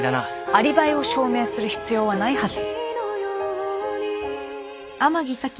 アリバイを証明する必要はないはず。